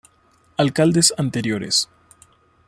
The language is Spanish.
Alcaldes anteriores